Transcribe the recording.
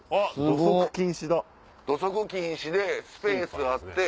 土足禁止でスペースあって。